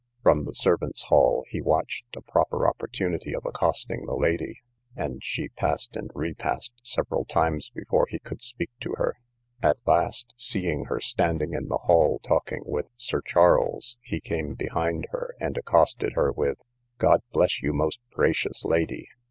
From the servants' hall he watched a proper opportunity of accosting the lady, and she passed and repassed several times before he could speak to her. At last, seeing her standing in the hall talking with Sir Charles, he came behind her, and accosted her with—God bless you, most gracious lady.